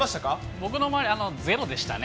僕の周り、ゼロでしたね。